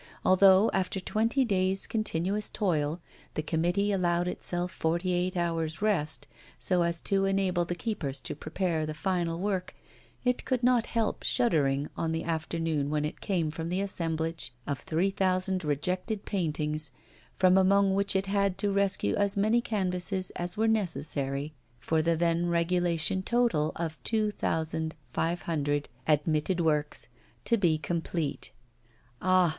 Although, after twenty days' continuous toil, the committee allowed itself forty eight hours' rest, so as to enable the keepers to prepare the final work, it could not help shuddering on the afternoon when it came upon the assemblage of three thousand rejected paintings, from among which it had to rescue as many canvases as were necessary for the then regulation total of two thousand five hundred admitted works to be complete. Ah!